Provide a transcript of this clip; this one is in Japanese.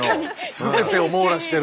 全てを網羅してる。